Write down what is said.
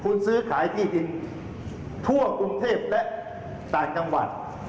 คุณซื้อขายที่ดินทั่วกรุงเทพและต่างจังหวัด